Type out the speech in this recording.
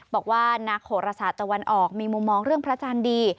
บอกว่านักโหรศาสตร์ตะวันออกมีมุมมองเรื่องพระอาจารย์ดี